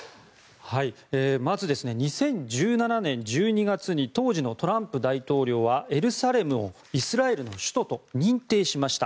まず２０１７年１２月に当時のトランプ大統領はエルサレムをイスラエルの首都と認定しました。